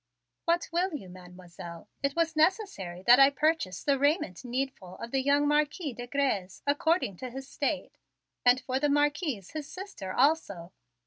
"What will you, Mademoiselle? It was necessary that I purchase the raiment needful to the young Marquis de Grez according to his state, and for the Marquise his sister also.